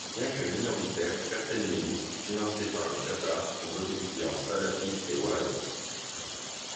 Bien que minoritaires, certaines milices, financées par le Qatar, sont d'obédiences salafistes et wahhabites.